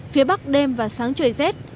phía bắc đêm và sáng trời rét